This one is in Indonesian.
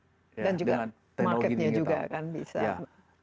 dan juga marketnya juga akan bisa connecting